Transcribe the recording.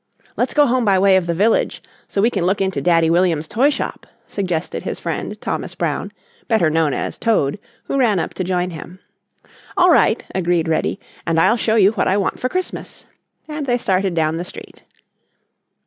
"Let's go home by the way of the village, so we can look into Daddy Williams' toy shop," suggested his friend Thomas Brown, better known as "Toad," who ran up to join him. "All right," agreed Reddy, "and I'll show you what I want for Christmas," and they started down the street.